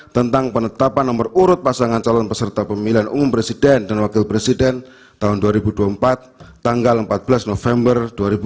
tentang penetapan nomor urut pasangan calon peserta pemilihan umum presiden dan wakil presiden tahun dua ribu dua puluh empat tanggal empat belas november dua ribu dua puluh